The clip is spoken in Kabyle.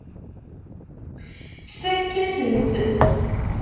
Tfakk-asen-tt.